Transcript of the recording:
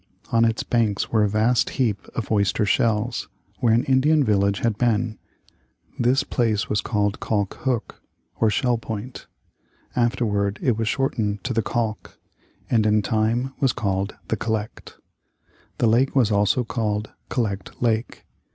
On its banks were a vast heap of oyster shells, where an Indian village had been. This place was called Kalch hook, or Shell point. Afterward it was shortened to The Kalch, and in time was called The Collect. The lake was called Collect Lake.